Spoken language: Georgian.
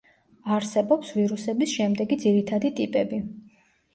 არსებობს ვირუსების შემდეგი ძირითადი ტიპები.